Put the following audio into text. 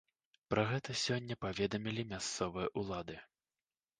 Пра гэта сёння паведамілі мясцовыя ўлады.